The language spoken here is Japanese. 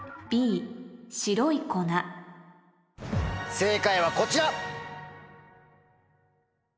正解はこちら！